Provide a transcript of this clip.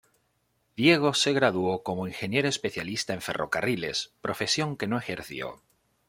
Diego se graduó como ingeniero especialista en ferrocarriles, profesión que no ejerció.